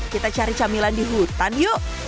kita cari camilan di hutan yuk